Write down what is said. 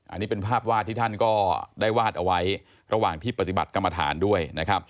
อันนี้เป็นภาพวาดที่ท่านก็ได้วาดเอาไว้ระหว่างที่ปฏิบัติกรรมฐานด้วยนะครับ